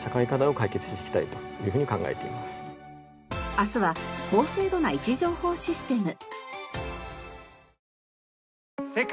明日は高精度な位置情報システム。